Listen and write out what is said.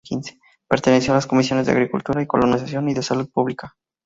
Perteneció a las Comisiones de Agricultura y Colonización; y de Salud Pública.